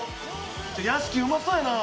屋敷、うまそうやなあ！